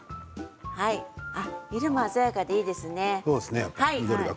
色も鮮やかでいいですね。